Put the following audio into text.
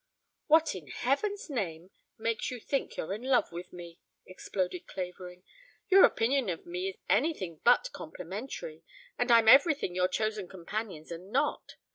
"What in heaven's name makes you think you're in love with me?" exploded Clavering. "Your opinion of me is anything but complimentary, and I'm everything your chosen companions are not.